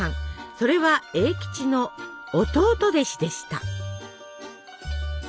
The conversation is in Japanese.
それは栄吉の弟弟子でした。